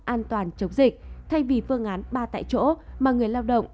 an toàn chống dịch thay vì phương án ba tại chỗ mà người lao động